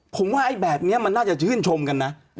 ผมว่าไอ้แบบนี้มันน่าจะชื่นชมกันนะ